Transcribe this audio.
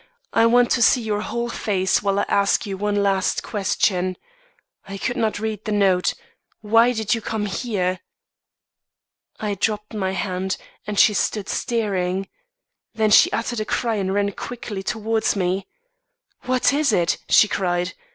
'I want to see your whole face while I ask you one last question. I could not read the note. Why did you come here? I dropped my hand, and she stood staring; then she uttered a cry and ran quickly towards me. 'What is it?' she cried.